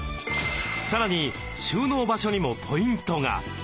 さらに収納場所にもポイントが。